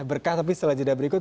berkah tapi setelah jeda berikut